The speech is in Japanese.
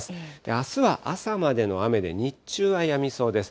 あすは朝までの雨で、日中はやみそうです。